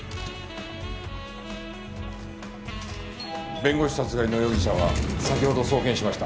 弁護士殺害の容疑者は先ほど送検しました。